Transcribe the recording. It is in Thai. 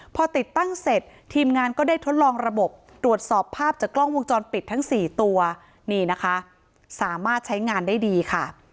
พอติดตั้งเสร็จทีมงานก็ได้ทดลองระบบตรวจสอบภาพจากกล้องวงจรปิดทั้ง๔ตัวนี่นะคะสามารถใช้งานได้ดีค่ะ